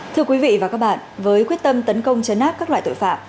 thưa quý vị và các bạn với quyết tâm tấn công chấn áp các loại tội phạm